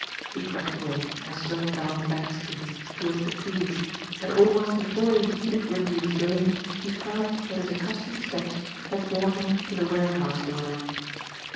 He crept away, and slunk down back streets, towards the quays, and, almost before he heeded whither he was going, he found that his accustomed steps had brought him to the warehouse door.